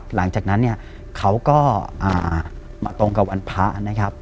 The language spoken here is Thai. หลังจากนั้นเนี่ยเขาก็มาตรงกับวันพระนะครับ